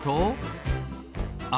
あ！